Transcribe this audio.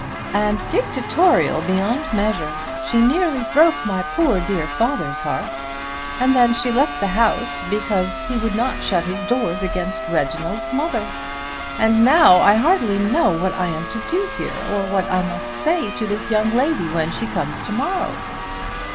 "And dictatorial beyond measure. She nearly broke my poor dear father's heart. And then she left the house because he would not shut his doors against Reginald's mother. And now I hardly know what I am to do here, or what I must say to this young lady when she comes to morrow."